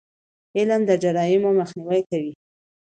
علم د جرایمو مخنیوی کوي.